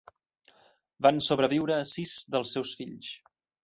Van sobreviure sis dels seus fills.